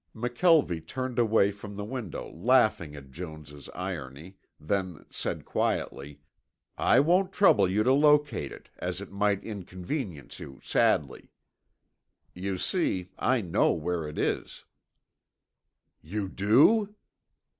McKelvie turned away from the window laughing at Jones' irony, then said quietly, "I won't trouble you to locate it as it might inconvenience you sadly. You see, I know where it is." "You do?"